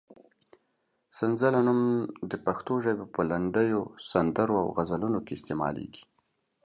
سنځله نوم د پښتو ژبې په لنډیو، سندرو او غزلونو کې استعمالېږي.